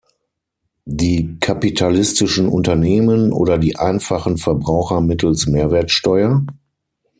Die kapitalistischen Unternehmen oder die einfachen Verbraucher mittels Mehrwertsteuer?